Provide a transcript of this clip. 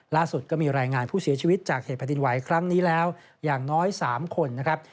ล่าสุดก็มีรายงานผู้เสียชีวิตจากเหตุแผ่นดินไหวครั้งนี้แล้วอย่างน้อย๓คนนะครับ